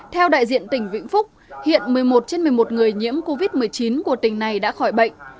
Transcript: theo đại diện tỉnh vĩnh phúc hiện một mươi một trên một mươi một người nhiễm covid một mươi chín của tỉnh này đã khỏi bệnh